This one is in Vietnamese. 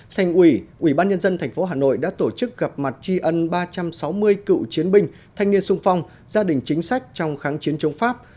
thành ủy ủy ban nhân dân tp hà nội đã tổ chức gặp mặt tri ân ba trăm sáu mươi cựu chiến binh thanh niên sung phong gia đình chính sách trong kháng chiến chống pháp